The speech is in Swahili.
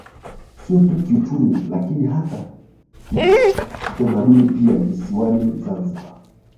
Sio tu kiuchumi lakini hata kitamaduni pia visiwani Zanzibar